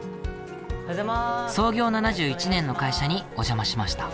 創業７１年の会社にお邪魔しました。